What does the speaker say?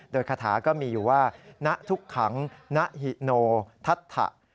โดยคาถาก็มีอยู่ว่าณทุกขังณหิโนทัศะ